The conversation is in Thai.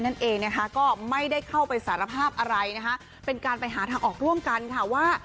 นั่นเองนะคะก็ไม่ได้เข้าไปสารภาพอะไรนะคะเป็นการไปหาทางออกร่วมกันค่ะว่า